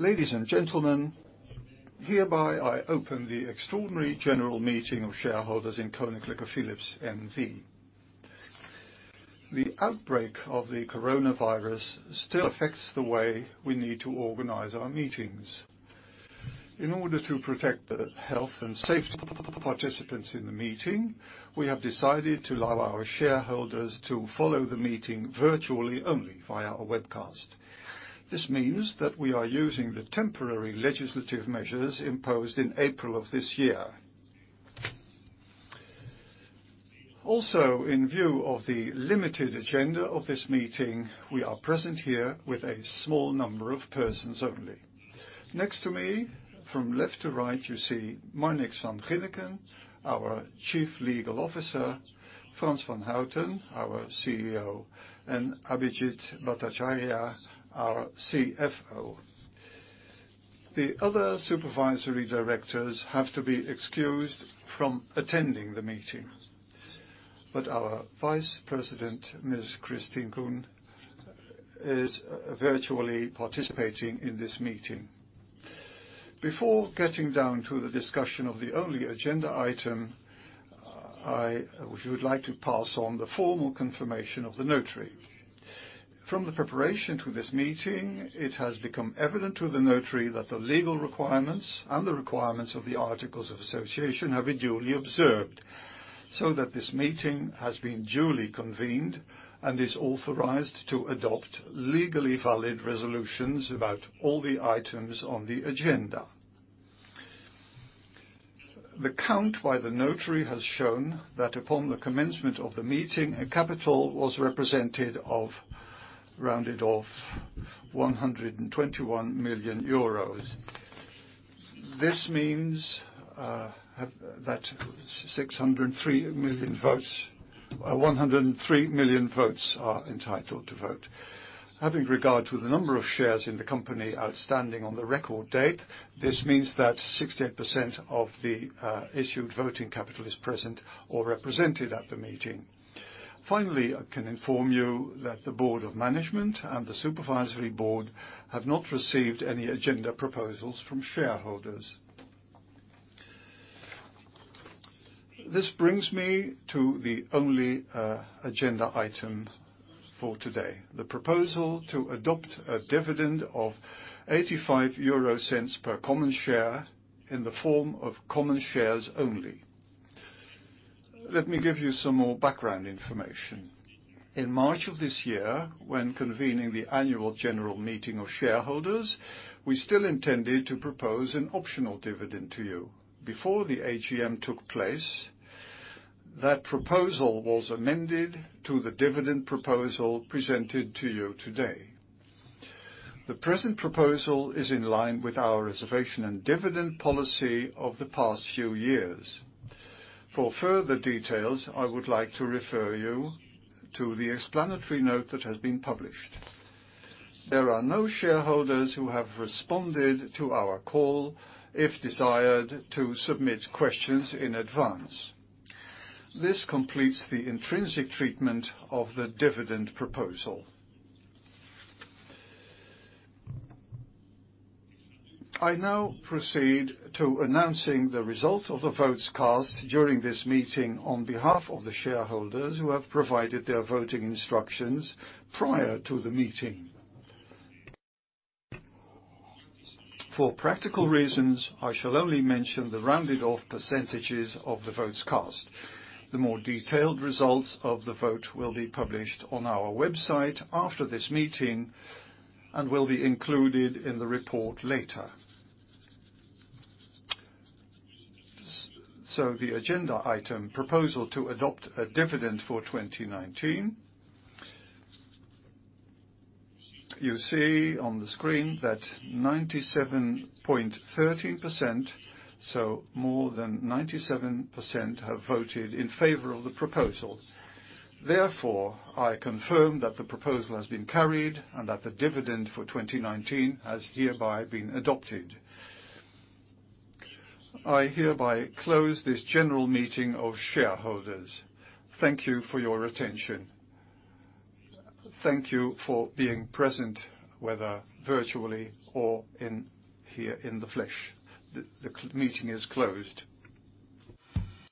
Ladies and gentlemen, hereby I open the Extraordinary General Meeting of Shareholders in Koninklijke Philips N.V. The outbreak of the coronavirus still affects the way we need to organize our meetings. In order to protect the health and safety of the participants in the meeting, we have decided to allow our shareholders to follow the meeting virtually only via a webcast. This means that we are using the temporary legislative measures imposed in April of this year. Also, in view of the limited agenda of this meeting, we are present here with a small number of persons only. Next to me, from left to right, you see Marnix van Ginneken, our Chief Legal Officer, Frans van Houten, our CEO, and Abhijit Bhattacharya, our CFO. The other supervisory directors have to be excused from attending the meeting. Our Vice President, Ms. Christine Poon, is virtually participating in this meeting. Before getting down to the discussion of the only agenda item, I would like to pass on the formal confirmation of the notary. From the preparation to this meeting, it has become evident to the notary that the legal requirements and the requirements of the articles of association have been duly observed so that this meeting has been duly convened and is authorized to adopt legally valid resolutions about all the items on the agenda. The count by the notary has shown that upon the commencement of the meeting, a capital was represented of, rounded off, 121 million euros. This means that 103 million votes are entitled to vote. Having regard to the number of shares in the company outstanding on the record date, this means that 68% of the issued voting capital is present or represented at the meeting. Finally, I can inform you that the board of management and the supervisory board have not received any agenda proposals from shareholders. This brings me to the only agenda item for today, the proposal to adopt a dividend of 0.85 per common share in the form of common shares only. Let me give you some more background information. In March of this year, when convening the annual general meeting of shareholders, we still intended to propose an optional dividend to you. Before the AGM took place, that proposal was amended to the dividend proposal presented to you today. The present proposal is in line with our reservation and dividend policy of the past few years. For further details, I would like to refer you to the explanatory note that has been published. There are no shareholders who have responded to our call, if desired, to submit questions in advance. This completes the intrinsic treatment of the dividend proposal. I now proceed to announcing the result of the votes cast during this meeting on behalf of the shareholders who have provided their voting instructions prior to the meeting. For practical reasons, I shall only mention the rounded off percentages of the votes cast. The more detailed results of the vote will be published on our website after this meeting and will be included in the report later. The agenda item, proposal to adopt a dividend for 2019. You see on the screen that 97.13%, so more than 97%, have voted in favor of the proposal. Therefore, I confirm that the proposal has been carried and that the dividend for 2019 has hereby been adopted. I hereby close this general meeting of shareholders. Thank you for your attention. Thank you for being present, whether virtually or in here in the flesh. The meeting is closed.